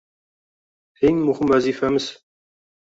Eng muhim vazifamizng